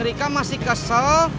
neng rika masih kesel